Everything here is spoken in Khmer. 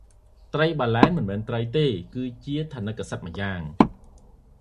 ត្រីបាឡែនមិនមែនត្រីទេ គឺថនិកសត្វម្យ៉ាង ។